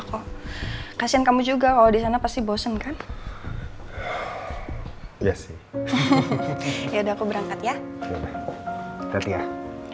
kok kasihan kamu juga oh di sana pasti bosen kan ya sih ya udah aku berangkat ya ternyata